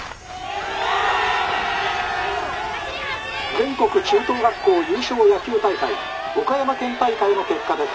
「全国中等学校優勝野球大会岡山県大会の結果です。